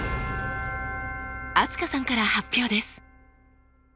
飛鳥さんから発表です。